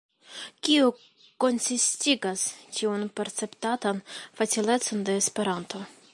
Kio konsistigas tiun perceptatan facilecon de Esperanto?